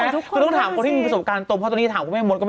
ฉันก็ถามเค้าไม่ได้ต้องถามเธอไง